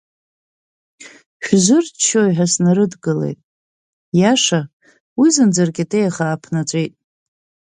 Шәзырыччозеи ҳәа снарыдгылеит иаша, уи зынӡа ркьатеиах ааԥнаҵәеит.